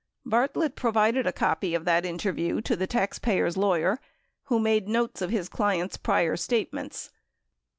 Bartlett pro vided a copy of that interview to the taxpayer's lawyer who made notes of his client's prior statements.